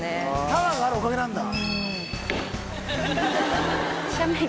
タワーがあるおかげなんだ。